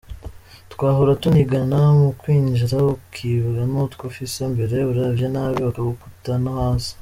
Twahora tunigana mu kwinjira ukibwa n’utwo ufise mbere uravye nabi bakaguta no hasi.